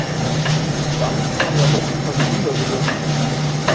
Damit kann man ja heutzutage Wunder bewirken.